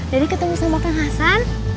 dari ketemu sama kang hasan